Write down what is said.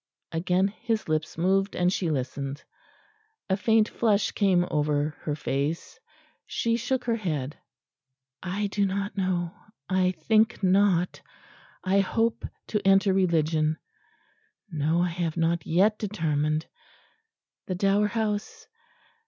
Again his lips moved and she listened.... A faint flush came over her face. She shook her head. "I do not know; I think not. I hope to enter Religion.... No, I have not yet determined.... The Dower House?...